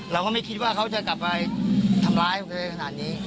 เราก็ไม่คิดว่าเขาจะกลับไปทำร้ายขนาดนี้